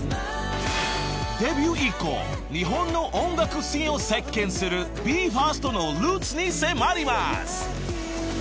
［デビュー以降日本の音楽シーンを席巻するＢＥ：ＦＩＲＳＴのルーツに迫ります］